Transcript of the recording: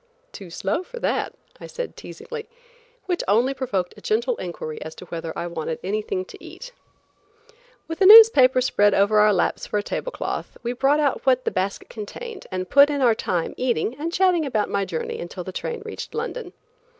"Too slow for that," I said teasingly, which only provoked a gentle inquiry as to whether I wanted anything to eat. With a newspaper spread over our laps for a table cloth, we brought out what the basket contained and put in our time eating and chatting about my journey until the train reached London.